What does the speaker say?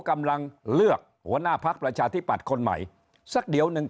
กำลังเลือกหัวหน้าพักประชาธิปัตย์คนใหม่สักเดี๋ยวหนึ่ง